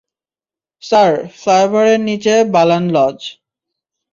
Sir, ফ্লাইওভারের নিচে Balan lodge.